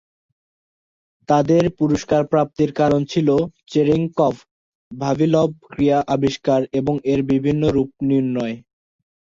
তাদের পুরস্কার প্রাপ্তির কারণ ছিল চেরেংকভ-ভাভিলভ ক্রিয়া আবিষ্কার এবং এর বিভিন্ন রুপ নির্ণয়।